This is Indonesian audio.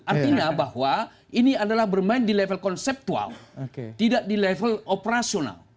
artinya bahwa ini adalah bermain di level konseptual tidak di level operasional